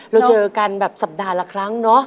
เราเจอกันแบบสัปดาห์ละครั้งเนอะ